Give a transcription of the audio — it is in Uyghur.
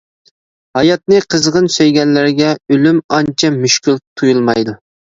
ھاياتنى قىزغىن سۆيگەنلەرگە ئۆلۈم ئانچە مۈشكۈل تۇيۇلمايدۇ.